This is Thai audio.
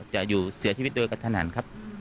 จะอยู่เสียชีวิตโดยกระถนันครับ